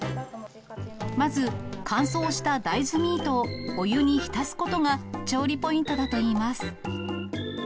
まず、乾燥した大豆ミートをお湯に浸すことが、調理ポイントだといいます。